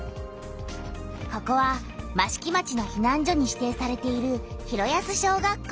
ここは益城町のひなん所に指定されている広安小学校。